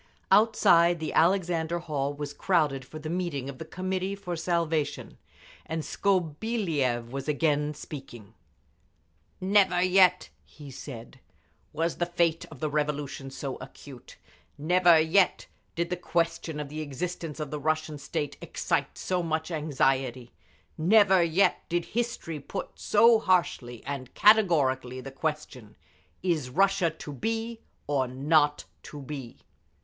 Outside, the Alexander Hall was crowded for the meeting of the Committee for Salvation, and Skobeliev was again speaking. "Never yet," he said, "was the fate of the Revolution so acute, never yet did the question of the existence of the Russian state excite so much anxiety, never yet did history put so harshly and categorically the question—is Russia to be or not to be!